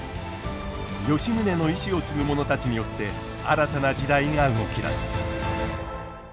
吉宗の遺志を継ぐ者たちによって新たな時代が動き出す。